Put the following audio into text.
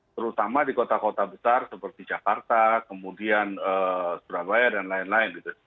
terutama di kota kota besar seperti jakarta kemudian surabaya dan lain lain gitu